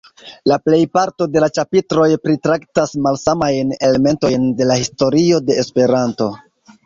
La plejparto de la ĉapitroj pritraktas malsamajn elementojn de la historio de Esperanto.